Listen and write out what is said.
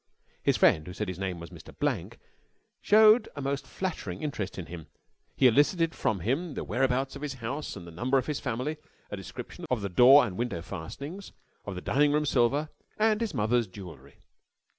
His friend, who said his name was Mr. Blank, showed a most flattering interest in him. He elicited from him the whereabouts of his house and the number of his family, a description of the door and window fastenings, of the dining room silver and his mother's jewellery.